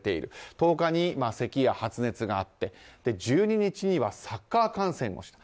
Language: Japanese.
１０日に、せきや発熱があって１２日にはサッカー観戦をした。